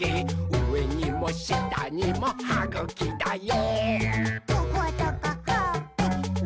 うえにもしたにもはぐきだよ！」